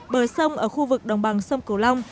bờ sông ở khu vực đồng bằng sông cửu long